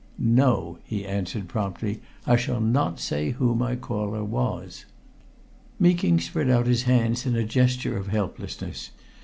"No!" he answered promptly. "I shall not say who my caller was." Meeking spread out his hands in a gesture of helplessness.